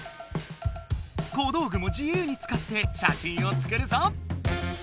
小どうぐもじゆうにつかってしゃしんを作るぞ！